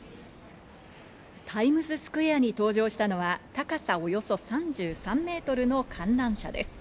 タイムズスクエアに登場したのは高さおよそ３３ｍの観覧車です。